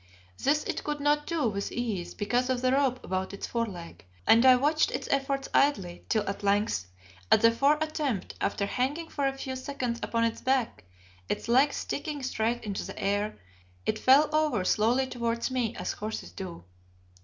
This it could not do with ease because of the rope about its fore leg, and I watched its efforts idly, till at length, at the fourth attempt, after hanging for a few seconds upon its back, its legs sticking straight into the air, it fell over slowly towards me as horses do.